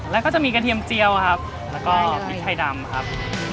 แล้วก็จะมีกระเทียมเจียวครับแล้วก็พริกไทยดำครับ